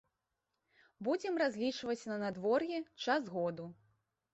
Будзем разлічваць на надвор'е, час году.